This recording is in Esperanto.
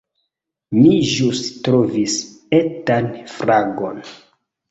Mi ĵus trovis etan fragon